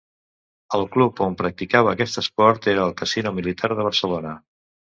El club on practicava aquest esport era el Casino Militar de Barcelona.